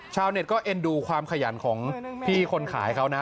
ชาวเน็ตก็เอ็นดูความขยันของพี่คนขายเขานะ